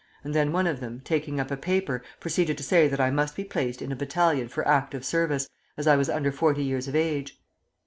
and then one of them, taking up a paper, proceeded to say that I must be placed in a battalion for active service, as I was under forty years of age.